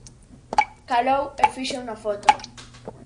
Calou e fixo unha foto.